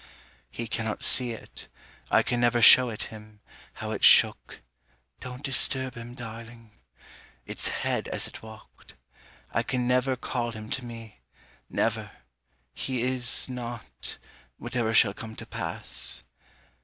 _ He cannot see it, I can never show it him, how it shook Don't disturb him, darling. Its head as it walked: I can never call him to me, Never, he is not, whatever shall come to pass.